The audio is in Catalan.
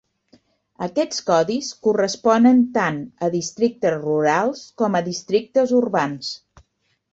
Aquests codis corresponen tant a districtes rurals com a districtes urbans.